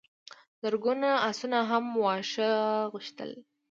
زرګونو آسونو هم واښه غوښتل.